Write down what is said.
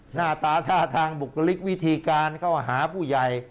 หน้าตาท่าทางบุคลิกวิธีการเข้าหาผู้ใหญ่